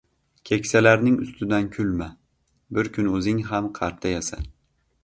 Keksalarning ustidan kulma — bir kun o‘zing ham qartayasan.